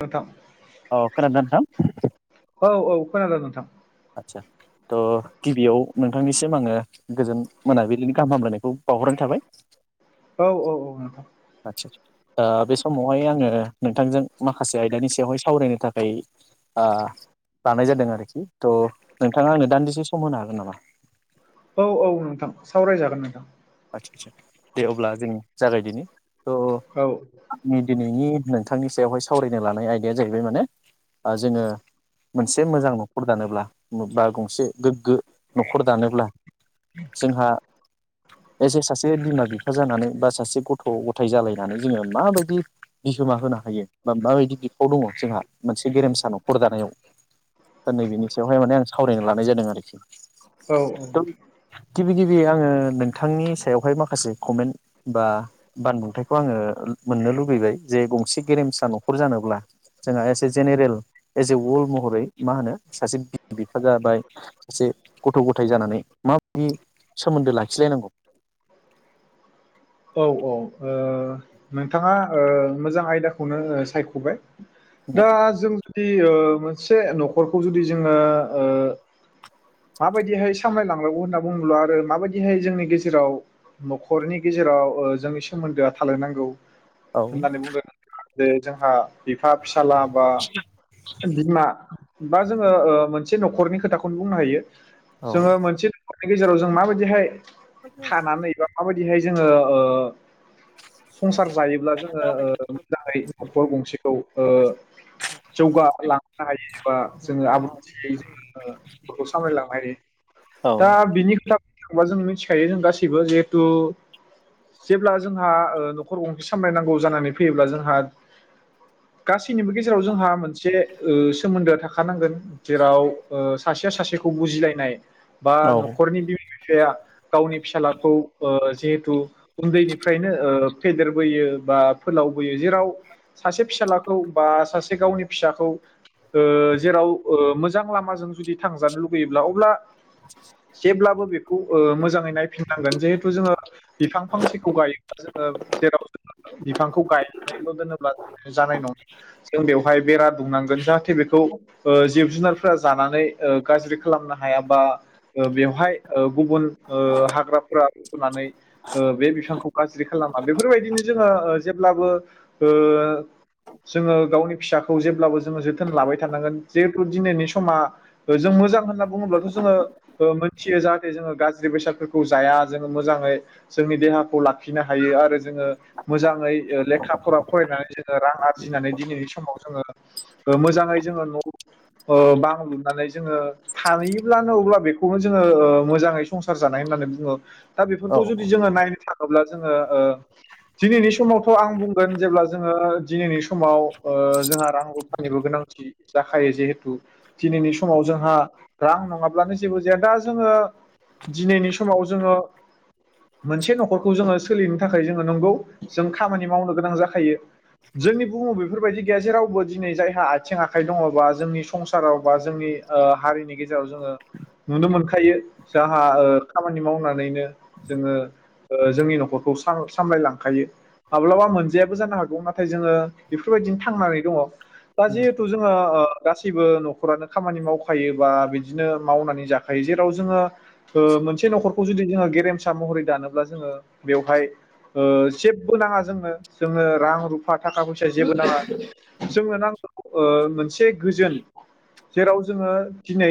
प्रथम। औ खोनदों नोंथां। औ औ खोनादों नोंथां। आसा थ' गिबियाव नोंथांनिसिम आङो गोजोन मोनाबिलिनि गाहाम हामलायनायखौ बावहरनाय थाबाय। औ औ औ नोंथां। आदसा बे समावहाय आङो नोंथांजों माखासे आयदानि सायावहाय सावरायनो थाखाय ओ लानाय जादों आरोखि थ' नोंथाङा आंनो दान्दिसे सम होनो हागोन नामा? औ औ नोंथां सावरायजागोन नोंथां। दे अब्ला जों जागायदिनि। औ' निदिनि नोंथांनि सायावहाय सावरायनो लानाय आयदाया जाहैबाय माने जोङो मोनसे मोजां न'खर दानोब्ला बा गंसे गोग्गो न'खर दानोब्ला जोंहा एसे सासे बिमा बिफा जानानै बा सासे गथ' खौ गथाय जालायनानै जोङो माबायदि बिहोमा होनो हायो बा माबायदि बिखाव दङ जोंहा मोनसे गेरेमसा न'खर दानायाव दा नैबेनि सायावहाय माने आं सावरायना लानाय जादों आरोखि औ औ। थ' गिबि गिबि आङो नोंथांनि सायावहाय माखासे कमेन्ट बा बानबुंथाइखौ आङो मोननो लुबैबाय जे गंसे गेरेमसा न'खर जानोब्ला जोंहा as a general as a world महरै मा होनो सासे बिमा बिफा जाबाय सासे गथ' गथाय जानानै माबायदि सोमोन्दो लाखिलायनांगौ औ औ ओ नोंथाङा ओ मोजां आयदाखौनो सायख'बाय दा जों मोनसे न'खरखौ जुदि जोङो ओ माबायदिहाय सामलायलांनांगौ होनना बुङोब्ला आरो माबायदिहाय जोंनि गेजेराव न'खरनि गेजेराव जोंनि सोमोन्दोआ थालायनांगौ‌। औ बे जोंहा बिफा फिसाला बा बिमा बा जोङो ओ मोनसे न'खरनि खोथाखौनो बुंनो हायो। औ जोङो मोनसे न'खर गेजेराव जों माबायदिहाय थानानै एबा माबाय दिहाय जोङो ओ संसार जायोब्ला औ जोङो ओ आदसा मोजाङै न'खर गंसेखौ ओ जौगालांनो हायो एबा जोङो आब्रुथियै जोङो न'खरखौ सामलायलांनो हायो। दा बिनि खोथा खौबा जों मिथिखायो जों गासैबो जिहेथु जेब्ला जोंहा ओ न'खर गंसे सामलायनांगौ जानानै फैयोब्ला जोंहा गासैनिबो गेजेराव जोंहा मोनसे ओ सोमोन्दोआ थाखानांगोन जेराव ओ सासेया सासेखौ बुजिलायनाय। बा न'खरनि बि फाया गावनि फिसालाखौ ओ जेहे थु उन्दैनिफ्रायनो ओ फेदेरबोयो बा फोलावबोयो जेराव सासे फिसालाखौ बा सासे गावनि फिसाखौ ओ जेराव ओ मोजां लामाजों जुदि थांजानो लुुबैयोब्ला अब्ला जेब्लाबो बेखौ ओ मोजाङै नायफिनांगोन जिहेथु जोङो बिफां फांसेखौ गायोब्ला जोङो जेराव बिफांखौ गायनानैल' दोनोब्ला जानाय नङा। जों बेवहाय बेरा दुमनांगोन जाहाथे बेखौ ओ जिब जुनारफोरा जानानै ओ गाज्रि खालामनो हाया बा ओ बेवहाय गुबुन ओ हाग्राफोरा होननानै ओ बे बिफांखौ गाज्रि खालामा। बेफोरबायदिनो जोङो ओ जेब्लाबो ओ जोङो गावनि फिसाखौ जेब्लाबो जोङो जोथोन लाबाय थानांगोन जिहेथु दिनैनि समा ओ जों मोजां होनना बुङोब्लाथ' जोङो ओ मोनथियो जाहाथे जोङो गाज्रि बेसादफोरखौ जाया जोङो मोजाङै जोंनि देहाखौ लाखिनो हायो आरो जोङो मोजाङै लेखा फरा फरायनानै जोङो रां आरजिनानै दिनैनि समाव जोङो ओ मोजाङै जोङो न' ओ बां लुनानै जोङो ओ थियोब्लानो अब्ला बेखौनो जोङो ओ मोजाङै संसार जानाय होननानै बुङो। दा बेफोरखौ जों जोङो नायनो था ङोब्ला जोङो ओ दिनैनि समावथ' आं बुंगोन जेब्ला जोङो दिनैनि समाव ओ जोंहा रां रुफानिबो गोनांथि जाखायो जिहेथु दिनैनि समाव जोंहा रां नङाब्लानो जेबो जाया दा जोङो दिनैनि समाव जोङो मोनसे न'खरखौ जोङो सोलिनो थाखाय जोङो नंगौ जों खामानि मावनो गोनां जाखायो। जोंनि बुहुमाव बेफोरबायदि गैया जे रावबो दिनै जायहा आथिं आखाइ दङबा जोंनि संसाराव बा जोंनि हारिनि गेजेराव जोङो नुनो मोनखायो जाहा ओ खामानि मावनानैनो जोङो ओ जोंनि न'खरखौ साम-सामलायलांखायो। माब्लाबा मोनजायाबो जानो हागौ नाथाय जोङो बेफोरबायदिनो थांनानै दङ। दा जिहेथु जोङो ओ गासैबो न'खरानो खामानि मावखायो बा बिदिनो मावनानै जाखायो जेराव जोङो ओ मोनसे न'खरखौ जुदि जोङो गेरेमसा मसा महरै दानोब्ला जोङो बेवहाय जेबो नाङा ओ जोंनो जोनो रां रुफा थाखा फैसा जेबो नाङा। जोंनो नांगौ मोनसे गोजोन जेराव जोङो दिनै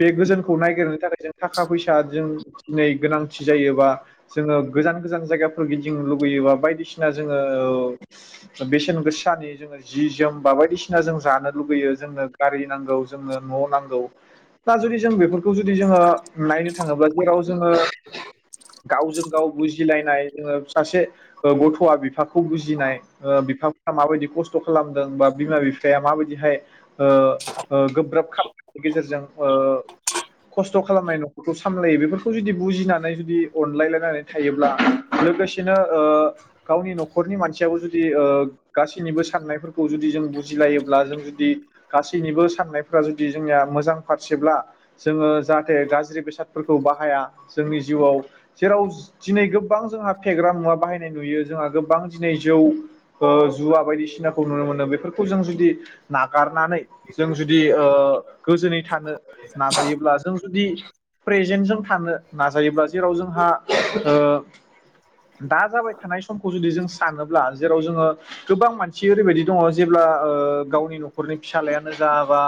बे गोजोनखौ नायागिरनो थाखाय जों थाखा फैसा जों दिनै गोनां। मानसि जायोबा जोङो गोजान गोजान जायगाफोर गिदिंनो लुुबैयोबा बायदिसिना जोङो ओ बेसेन गोसानि जोङो जि जोम बा बायदिसिना जों जानो लुगैयो जोंनो गारि नांगौ जोंनो न' नांगौ। दा जुदि जों बेफोरखौ जुदि जोङो नायनो थाङोब्ला जेराव जोङो। गावजों गाव बुजिलायनाय जोङो सासे ओ गथ'आ बिफाखौ बुजिनाय बिफाफ्रा माबायदि खस्थ' खालामदों बा बिमा बिफाया माबायदिहाय ओ गोब्राब खामनि गेजेरजों ओ खस्थ' खालामनाय न'खरखौ सामलायो बेफोरखौ जुदि बुजिना नै जुदि अनलायलायनानै थायोब्ला लोगोसेनो ओ गावनि न'खरनि मानसियाबो जुदि ओ गासिनिबो साननाय खौ जुदि जों बुजिलायोब्ला जों जुदि गासैनिबो साननायफोरा जुदि जोंनिया मोजां फारसेब्ला जोङो जाहाथे गाज्रि बेसादफोरखौ बाहाया जोंनि जिउआव जेराव दिनै गोबां जोंहा फेग्रा मुवा बाहायनाय नुयो जोंहा गोबां दिनै जौ जुवा बायदिसिनाखौ नुनो मोनो बेफोरखौ जों जुदि नागारनानै जों जुदि ओ गोजोनै थानो नाजायोब्ला जों जुदि प्रेजेन्ट जों थानो नाजा जायोब्ला जेराव जोंहा ओ दा जाबाय थानाय समखौ जुदि जों सानोब्ला जेराव जोङो गोबां मानसि ओरैबायदि दङ जेब्ला ओ गावनि न'खरनि फिसालायानो जा बा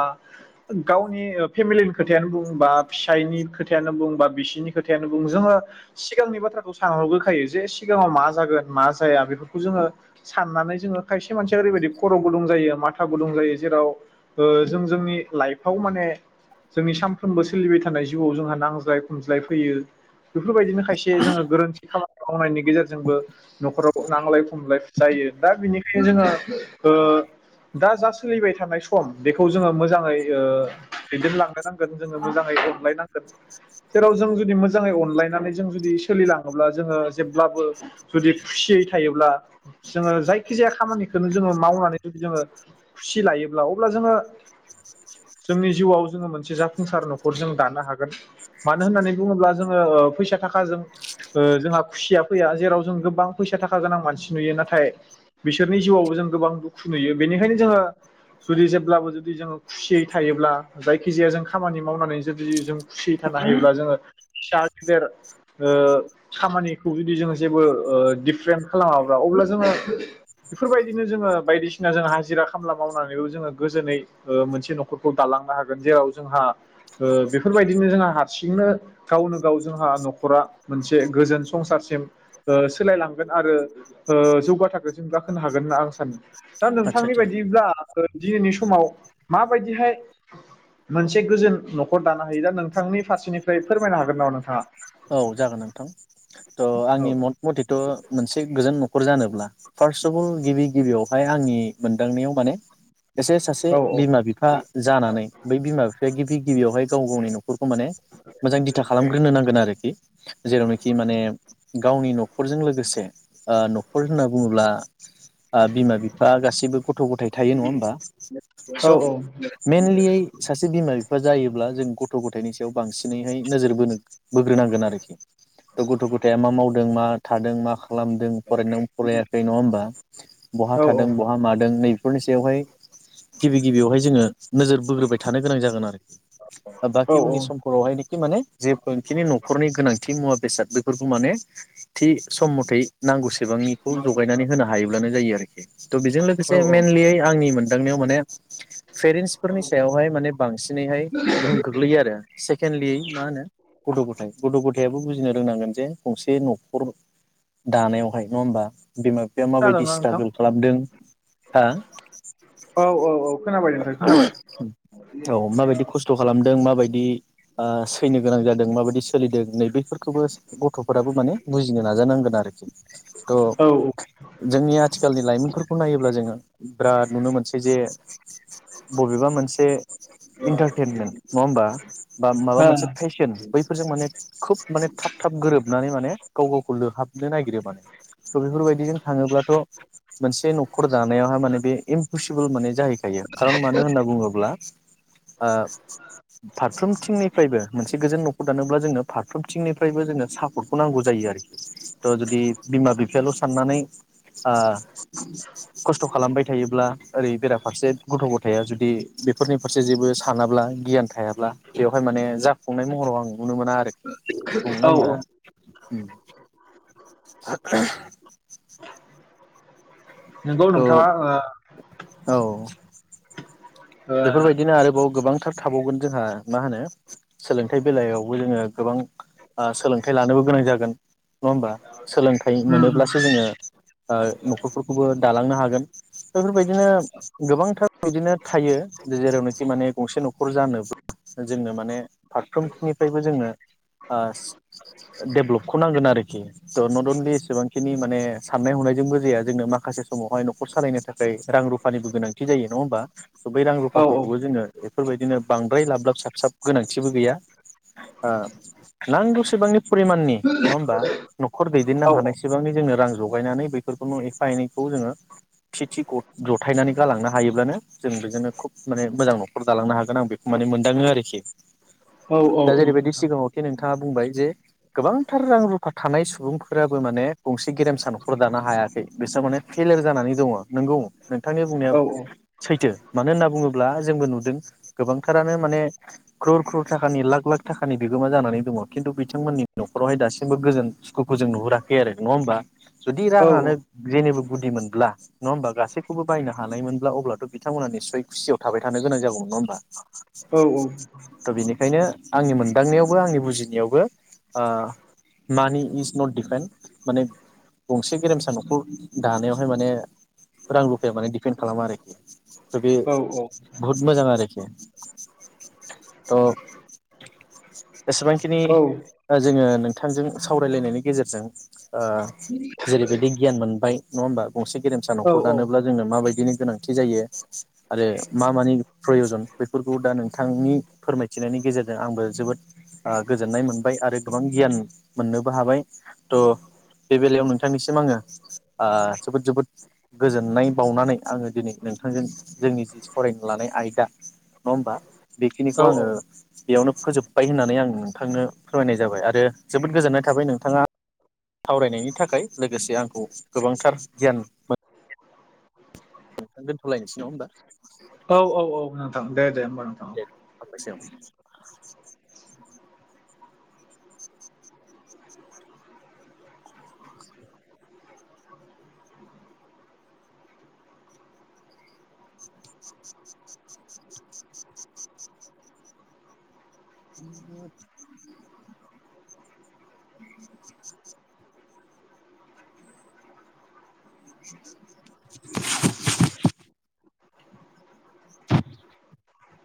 गावनि फेमिलिनि खोथायानो बुं बा फिसायनि खोथायानो बुं बा बिसिनि खोथायानो बुं जोङो सिगांनि बाथ्राखौ सानहरग्रोखायो जे सिगाङाव मा जागोन मा जाया बेफोरखौ जोङो साननानै जोङो खायसे मानसिया ओरैबायदि खर' गुदुं जायो मा था गुदुं जायो जेराव ओ जों जोंनि लाइफआव माने जोंनि सामफ्रोमबो सोलिबाय थानाय जिउआव जोंहा नांज्लाय खमज्लाय फैयो बेफोरबायदिनो खायसे जोङो गोरोन्थि खालाम नायनि गेजेरजोंबो न'खराव नांलाय खमलाय जायो दा बेनिखायनो जोङो ओ दा जा सोलिबाय थानाय सम बेखौ जोङो मो जाङै ओ दैदेनलांनो नांगोन जोङो मोजाङै अनलायनांगोन जेराव जों जु दि मोजाङै अनलायनानै जों जुदि सोलिलाङोब्ला जोङो जेबब्लाबो जुदि खुसियै थायोब्ला जोङो जायखि जाया खामानिखौनो जोङो मावनानै जुदि जोङो खुसि लायोब्ला अब्ला जोङो जोंनि जिउआव जोङो मोनसे जाफुंसार न'खर जों दानो हागोन मानो होननानै बुङोब्ला जोङो ओ फैसा थाखाजों ओ जोंहा खुसिया फैया जेराव जों गोबां फैसा थाखा गोनां मानसि नुयो नाथाय बिसोरनि जिउआवबो जों गोबां दुखु नुयो बेनिखायनो जोङो जुदि जेब्लाबो जुदि जोङो खुसियै थायोब्ला जायखि जाया जों खामानि मावनानै जुदि जों खुसि थानो हायोब्ला जोङो फिसा गेदेर ओ खामानिखौ जुदि जों जेबो ओ डिफ्रेन्ट खालामाब्ला अब्ला जोङो बेफोरबायदिनो जोङो बायदिसिना जों हाजिरा खामला मावनानैबो जोङो गोजोनै ओ मोनसे न'खरखौ दालांनो हागोन जेराव जोंहा बेफोरबायदिनो जोंहा हारसिंनो गावनो गाव जोंहा न'खरा मोनसे गोजोन संसारसिम ओ सोलायलांगोन आरो ओ जौगा थाखोसिम गाखोनो हागोन होनना आं सानो। दा नोंथांनि आदसा बायदिब्ला दिनैनि समाव माबायदिहाय मोनसे गोजोन न'खर दानो हायो दा नोंथांनि फारसेनिफ्राय फोरमायनो हागोन नामा नोंथाङा? औ जागोन नोंथां थ' औ आंनि मत मथेथ' मोनसे गोजोन न' खर जानोब्ला फार्स्ट अफ अल गिबि गिबियावहाय आंनि मोनदांनायाव माने एसे सासे औ बिमा बिफा जानानै बै बिमा बे गिबि गिबियावहाय गाव गावनि नखर खौ माने मोजां दिथा खालामग्रोनो नांगोन आरो जेरावनोखि माने गावनि न'खरजों लोगोसे ओ न'खर होनना बुङोब्ला ओ बिमा बिफा गासैबो गथ' गथाय थायो नङा होमबा औ स' मेइनलियै सासे बिमा बि फा जायोब्ला जों गथ' गथायनि सायाव बांसिनैहाय नोजोर बोनो बो नो नांगोन आरोखि थ' गथ' गथाया मा मावदों मा थादों मा खालामदों फरादों फरायाखै नङा होमबा बहा औ थादों बहा मादों नैे बेफोरनि सायावहाय गिबि गिबियावहाय जोङो नोजोर बोग्रोबाय थानो गोनां जागोन आरोखि औ बाखि उननि समफोरावहायनिखि माने [unintelligible] न'खरनि गोनांथि मुवा बेसाद बेफोरखौ माने थि सम मथै नांगौसेबांनिखौ जगायनानै होनो हायोब्लानो जायो आ [inaudible] त‌ बिजों औ लोगोसे औ मेनलियै आंनि मोनदांनायाव माने [inaudible] फेरेन्टसफोरनि सायावहाय माने बांसिनैहाय गोहोम खोग्लैयो आरो सेकेणडलि मा होनो गद गथाय द गथायाबो बुजिनो रोंनांगोन जे गंसे नखर दानायावहाय नङा होमबा बिमा बिफाया माबायदि खोनादोंना नोंथां? स्ट्रागोल खालामदों हा औ औ औ खोनाबाय नोंथां खोनाबाय औ माबायदि खस्थ खालामदों, माबायदि ओ सैनो गोनां जादों, माबायदि सोलिदों नै बेफोरखोबो गथफोराबो माने बुजिनो नाजानांगोन आरोखि। त औ जोंनि आथिखालनि लाइमोनफोरखौ नायोब्ला जोङो बिराद नुनो मोनसै जे बबेबा मोनसे इन्टारटेनमेन्ट नङा होमबा बा माबा औ मोनसे फेशन बैफोरजों माने खोब माने थाब थाब गोरोबनानै माने गाव गावखौ लोहाबनो नागिरो माने। स बेफोरबायदिजों थाङोब्लाथ मोनसे नखर दानायावहाय माने बे इमपसिबोल माने जाहै खायो, खारन मानो होनना बुङोब्ला ओ फारफ्रोमथिंनिफ्रायबो मोनसे गोजोन नखर दानोब्ला जोङो फारफ्रोमथिंनिफ्रायबो जोङो सापर्टखौ नांगौ जायो आरोखि। तह जुदि बिमा बिफायाल आ साननानै खस्थ खालामबाय थायोब्ला ओरै बेराफारसे गथ गथाया जुदि बेफोरनि फारसे जेबो सानाब्ला गियान थायाब्ला बेवहाय माने जाफुंनाय महराव आं नुनो मोना आरोखि नंना ओ औ होमबा औ ओम [inaudible] नोंगौ नोंथाङा थ' ओ [inaudible] बेफोरबायदिनो आरोबाव गोबां थार थाबावगोन जोंहा मा होनो सोलोंथाइ बेलायावबो जोङो गोबां आ सोलोंथाइ लानोबो गोनां जागोन। नङा होमबा सोलोंथाइ मोनोब्लासो जोङो ओ नखरफोरखौबो दालांनो हागोन बेफोरबायदिनो गोबांथार बिदिनो थायो। जेरावनोखि माने गंसे नखर जानोब्ला जोंनो माने फारफ्रोमनिफ्रायबो जोङो ओ डेभलपखौ नांगोन आरोखि त नट अनलि एसेबांखिनि माने साननाय हनायजोंबो जाया जोंनो माखासे समावहाय नखर सालायनो थाखै रां रुफानिबो गोनांथि जायो नङा होमबा? त बे ओ फाफोरखौबो जोङो बे फोरबायदिनो बांद्राय लाब लाब साब साब गोनांथिबो गैया। ओ नांगौसेबांनि फरिमाननि नङा होमबा नखर दैदेननो ओ उम औ औ हानायसेबांनि जोंनो रां जगायनानै बैफोरखौनो एफा एनैखौ जोङो थि थि गद जथायनानै गालांनो हायोब्लानो जों बेजोंनो खुब माने मोजां नखर जालांनो हागोन आं बेखौ माने मोनदाङो आरोखि। औ औ औ दा जेरैबायदि नोंथां सिगाङाव खि नों थाङा बुंबाय जे गोबांथार रां रुफा थानाय सुबुंफोराबो माने गंसे गेरेमसा नखर दानो हायाखै, बिस्रा माने फेइलार जानानै दङ, नोंगौ नोंथांनि बुंनाया औ सैथो मानो होनना बुङो ब्ला जोंबो नुदों गोबांथारानो माने ख्रर ख्रर थाखानि लाख लाख थाखानि बिगोमा जानानै दङ खिन्थु बिथांमोननि नखरावहाय दासिमबो गोजोन सुखुखौ जों नुहुराखै आरो नङा होमबा, जुदि औ राङानो जेनिबो गुदि मोनब्ला नङा होमबा गासैखौबो बायनो हानाय मोनब्ला अब्लाथ बिथांमोना निसय खुसियाव थाबाय थानो गोनां जागौमोन नङा होमबा? [inaudible] त' बिनिखायनो आंनि मोनदांनायावबो आंनि बुजिनायावबो ओ मानि इज नट डिफेन्ड माने गंसे गेरेमसा न'खर दानायावहाय माने रां रुफाया माने डिपेन्ड खालामा आरोखि थ' बे बहुद मोजां आरोखि थ' एसेबांखिनि जोङो नोंथांजों सावरायलायनायनि गेजेरजों ओ जेरैबायदि गियान मोनबाय नङा होमबा गंसे गेरेमसा न'खर दानोब्ला जोङो माबायदिनि गोनांथि जायो? आरो मा मानि प्रयजन बेफोरखौ दा नोंथांनि फोरमायथिनायनि गेजेरजों आंबो जोबोद ओ गोजोननाय मोनबाय आरो गोबां गियान मोननोबो हाबाय थ' बे बेलायाव नोंथांनिसिम आङो ओ जोबोद जोबोद गोजोननाय बावनानै आङो दिनै नोंथांजों जोंनि जि सावरायनो लानाय आयदा नङा होमबा बेखिनिखौ आङो औ बेयावनो फोजोबबाय होननानै आं नोंथांनो फोरमायनाय जाबाय आरो जोबोद गोजोननाय थाबाय नोंथाङा सावरायनायनि थाखाय लोगोसे आंखौ गोबांथार गियान मोन नोंथां दोनथ'लायनोसै नङा होमबा? औ औ नोंथां दे दे। [inaudible] [unintelligible] [inaudible] [inaudible] [inaudible] [inaudible]